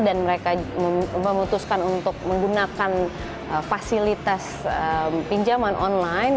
dan mereka memutuskan untuk menggunakan fasilitas pinjaman online